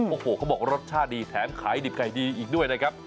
โอ้โหเขาบอกรสชาติดีแถมขายดิบไก่ดีอีกด้วยนะครับ